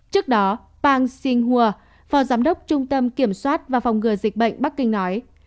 trước đó pang xinghua phó giám đốc trung tâm kiểm soát và phòng ngừa dịch bệnh bắc kinh nói